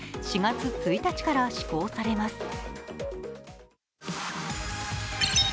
４月１日から施行されます。